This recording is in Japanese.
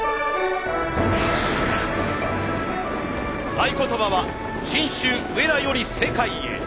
合言葉は「信州上田より世界へ」。